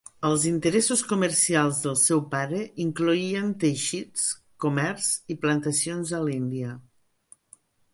Els interessos comercials del seu pare incloïen teixits, comerç i plantacions a l'Índia.